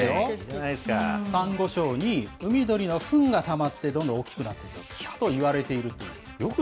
さんご礁に海鳥のふんがたまって、どんどん大きくなっていったと言われているという。